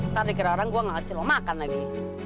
ntar dikira orang gue gak ngasih lo makan lagi